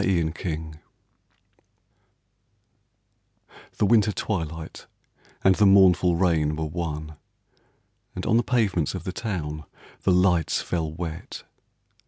73 A VISITOR The winter twilight and the mournful rain Were one, and on the pavements of the town The lights fell wet.